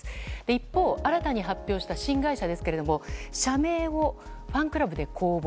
一方、新たに発表した新会社ですが社名をファンクラブで公募。